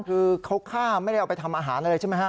คือเขาฆ่าไม่ได้เอาไปทำอาหารอะไรใช่ไหมฮะ